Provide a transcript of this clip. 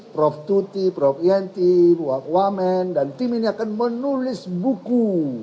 prof tuti prof yanti wamen dan tim ini akan menulis buku